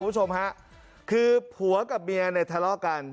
คุณผู้ชมฮะคือผัวกับเมียเนี่ยทะเลาะกัน